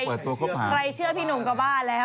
ใครเชื่อพี่หนุ่มก็บ้าแล้ว